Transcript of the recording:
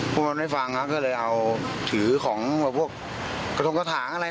ผมไม่ฟังครับก็เลยถือของแบบกระตงกะถางอะไร